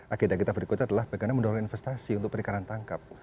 agenda kita berikutnya adalah bagaimana mendorong investasi untuk perikanan tangkap